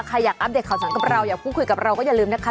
ใครอยากอัปเดตข่าวสารกับเราอยากพูดคุยกับเราก็อย่าลืมนะคะ